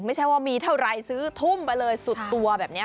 ไม่ใช่ว่ามีเท่าไรซื้อทุ่มไปเลยสุดตัวแบบนี้